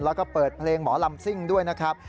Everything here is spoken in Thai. แล้วก็เปิดเพลงหมอลำซิ่งด้วยนะครับ